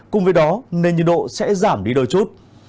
cùng với đó nền nhiệt độ sẽ giảm đi đôi chút